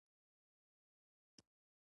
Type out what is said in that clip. په ډېر دقت سره څاره، ځینې وختونه به.